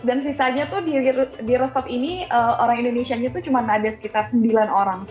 dan sisanya tuh di rostov ini orang indonesianya itu cuma ada sekitar sembilan orang